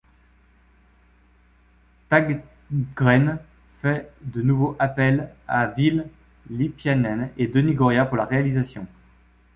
Tägtgren fait de nouveau appel à Ville Lipiäinen et Denis Goria pour la réalisation.